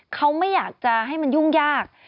เขาไม่อยากจะให้มันยุ่งยาก